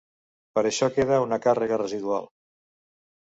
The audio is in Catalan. Per això queda una càrrega residual.